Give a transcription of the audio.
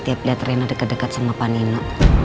tiap lihat reina dekat dekat sama panino